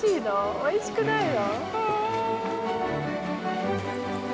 おいしくないの？